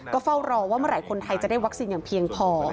ก็เฝ้ารอว่าเมื่อไหร่คนไทยจะได้วัคซีนอย่างเพียงพอ